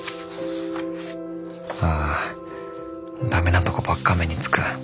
ああダメなとこばっか目につく。